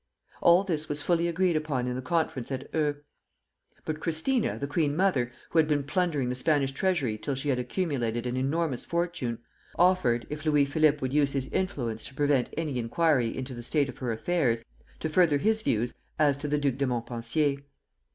All this was fully agreed upon in the conference at Eu. But Christina, the queen mother, who had been plundering the Spanish treasury till she had accumulated an enormous fortune, offered, if Louis Philippe would use his influence to prevent any inquiry into the state of her affairs, to further his views as to the Duc de Montpensier.